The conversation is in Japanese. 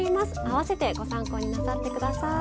併せてご参考になさってください。